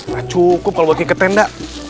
gak cukup kalau bagi ke tenda